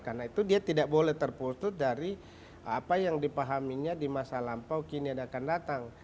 karena itu dia tidak boleh terputus dari apa yang dipahaminya di masa lampau kini dan akan datang